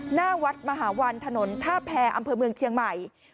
หน้าวัดมหาวันถนนท่าแพรอำเภอเมืองเชียงใหม่